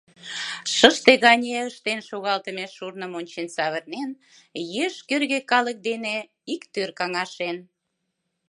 Шыште гане ыштен шогалтыме шурным ончен савырнен, еш кӧргӧ калык дене иктӧр каҥашен.